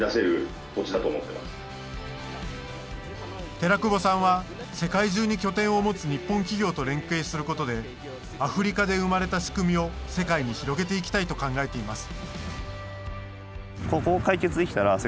寺久保さんは世界中に拠点を持つ日本企業と連携することでアフリカで生まれた仕組みを世界に広げていきたいと考えています。